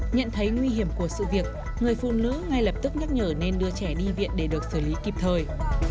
nhận thấy nguy hiểm của sự việc người phụ nữ ngay lập tức nhắc nhở nên đưa trẻ đi viện để được xử lý kịp thời